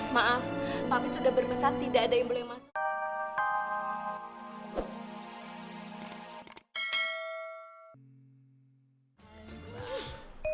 maaf tapi sudah bermesak tidak ada yang boleh masuk